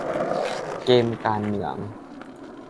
เกมการเมือง